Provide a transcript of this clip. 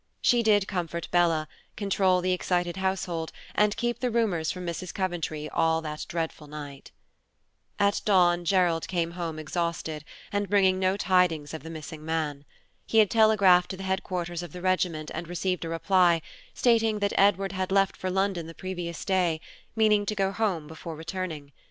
She did comfort Bella, control the excited household, and keep the rumors from Mrs. Coventry all that dreadful night. At dawn Gerald came home exhausted, and bringing no tiding of the missing man. He had telegraphed to the headquarters of the regiment and received a reply, stating that Edward had left for London the previous day, meaning to go home before returning.